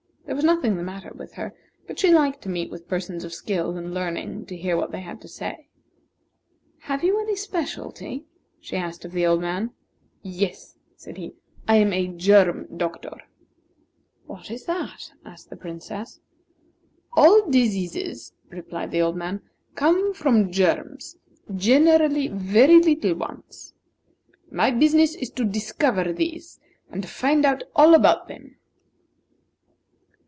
There was nothing the matter with her, but she liked to meet with persons of skill and learning to hear what they had to say. "Have you any specialty?" she asked of the old man. "Yes," said he, "I am a germ doctor." "What is that?" asked the Princess. "All diseases," replied the old man, "come from germs; generally very little ones. My business is to discover these, and find out all about them."